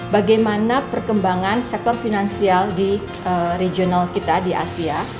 bagaimana perkembangan sektor finansial di regional kita di asia